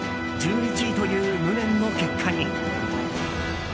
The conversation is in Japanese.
１１位という無念の結果に。